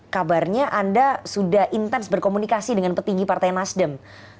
kabarnya anda sudah intens berkomunikasi dengan petinggi partai nasdem